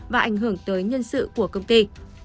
và ảnh hưởng tới nhân sự của công ty